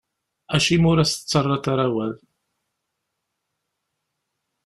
Acimi ur as-d-tettarraḍ ara awal?